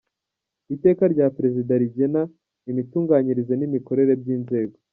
Iteka rya Perezida rigena imitunganyirize n‟imikorere by‟Inzego